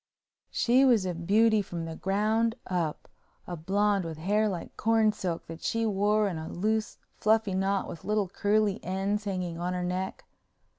She was a beauty from the ground up—a blonde with hair like corn silk that she wore in a loose, fluffy knot with little curly ends hanging on her neck.